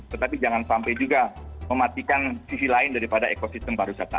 tetapi jangan sampai juga mematikan sisi lain daripada ekosistem pariwisata